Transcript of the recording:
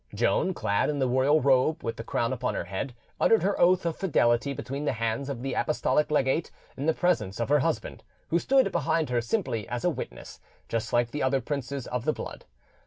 Joan, clad in the royal robe, with the crown upon her head, uttered her oath of fidelity between the hands of the apostolic legate in the presence of her husband, who stood behind her simply as a witness, just like the other princes of the blood.